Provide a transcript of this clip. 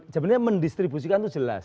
sebenarnya mendistribusikan itu jelas